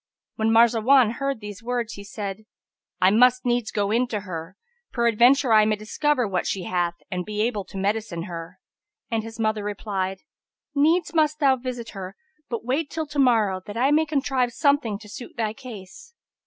When Marzawan heard these words he said, "I must needs go in to her; peradventure I may discover what she hath, and be able to medicine her;" and his mother replied, "Needs must thou visit her, but wait till to morrow, that I may contrive some thing to suit thy case."